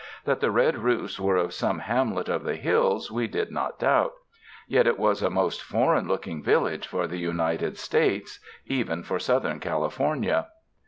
That the red roofs were of some ham let of the hills, we did not doubt ; yet it was a most foreign looking village for the United States — even for Southern California.